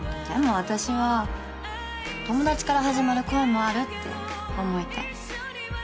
でも私は友達から始まる恋もあるって思いたい。